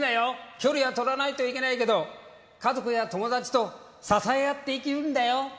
距離は取らないといけないけど、家族や友達と支え合って生きるんだよ。